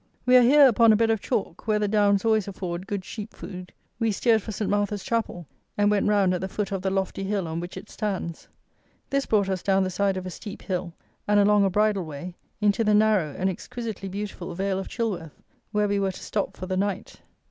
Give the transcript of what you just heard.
We are here upon a bed of chalk, where the downs always afford good sheep food. We steered for St. Martha's Chapel, and went round at the foot of the lofty hill on which it stands. This brought us down the side of a steep hill, and along a bridle way, into the narrow and exquisitely beautiful vale of Chilworth, where we were to stop for the night.